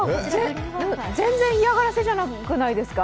全然嫌がらせじゃなくないですか？